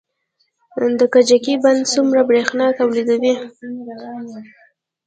د کجکي بند څومره بریښنا تولیدوي؟